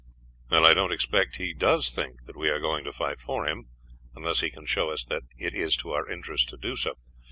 "I don't expect he does think that we are going to fight for him, unless he can show us that it is to our interest to do so.